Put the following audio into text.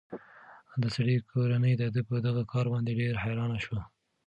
د سړي کورنۍ د ده په دغه کار باندې ډېره حیرانه شوه.